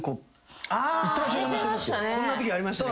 こんなときありましたね。